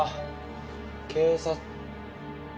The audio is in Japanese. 警察。